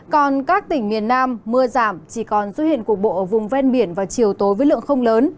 còn các tỉnh miền nam mưa giảm chỉ còn xuất hiện cục bộ ở vùng ven biển vào chiều tối với lượng không lớn